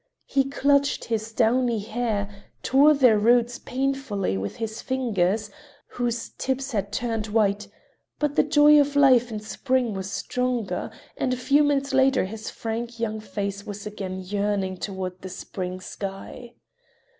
He clutched his downy hair, tore their roots painfully with his fingers, whose tips had turned white. But the joy of life and spring was stronger, and a few minutes later his frank young face was again yearning toward the spring sky.